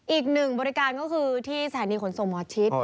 อีกหนึ่งบริการก็คือที่สถานีขนส่งหมอชิด